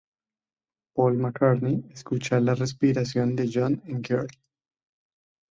Paul McCartney: "Escucha la respiración de John en 'Girl'.